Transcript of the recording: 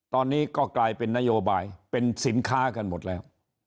ตอนนี้ก็กลายเป็นนโยบายเป็นสินค้ากันหมดแล้ว